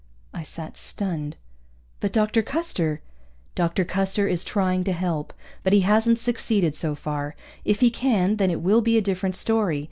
I sat stunned. "But Dr. Custer " "Dr. Custer is trying to help. But he hasn't succeeded so far. If he can, then it will be a different story.